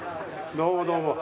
どうもどうも。